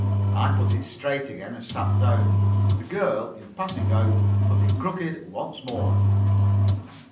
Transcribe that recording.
I put it straight again, and sat down. The girl, in passing out, put it crooked once more.